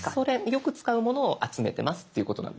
よく使うものを集めてますっていうことなんです。